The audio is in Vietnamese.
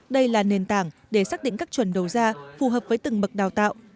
đây là nền tảng để xác định các chuẩn đầu ra phù hợp với từng bậc đào tạo